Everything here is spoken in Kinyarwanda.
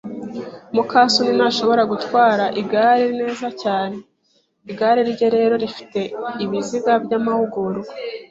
muka soni ntashobora gutwara igare neza cyane, igare rye rero rifite ibiziga byamahugurwa.